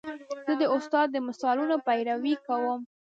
زه د استاد د مثالونو پیروي کوم.